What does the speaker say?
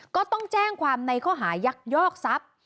ก็ต้องแจ้งความในข้อหายักยอกทรัพย์